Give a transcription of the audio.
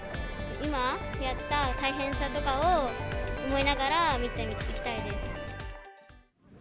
今やった大変さとかを思いながら、見ていきたいです。